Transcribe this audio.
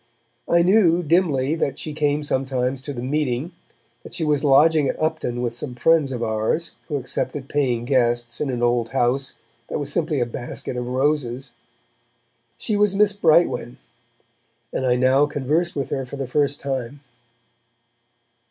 I knew, dimly, that she came sometimes to the meeting, that she was lodging at Upton with some friends of ours who accepted paying guests in an old house that was simply a basket of roses. She was Miss Brightwen, and I now conversed with her for the first time.